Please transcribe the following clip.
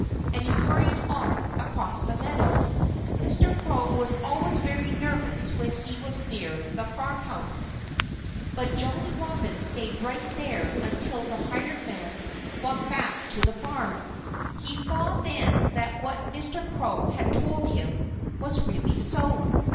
And he hurried off across the meadow. Mr. Crow was always very nervous when he was near the farmhouse. But Jolly Robin stayed right there until the hired man walked back to the barn. He saw then that what Mr. Crow had told him was really so.